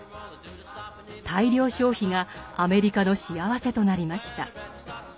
大量消費がアメリカの幸せとなりました。